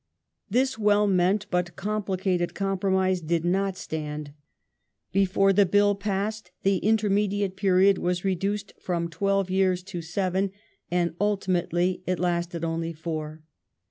This well meant but complicated compromise did not stand. Before the Bill passed, the intermediate period was reduced from twelve yeai's to seven, and ultimately it lasted only four.